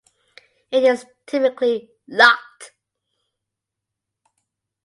It is typically locked.